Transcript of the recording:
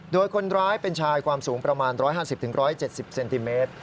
โดยคนร้ายเป็นชายความสูงประมาณ๑๕๐๑๗๐เซนติเมตร